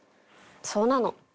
そうなの。